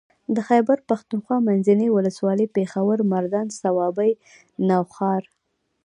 د خېبر پښتونخوا منځنۍ ولسوالۍ پېښور مردان صوابۍ نوښار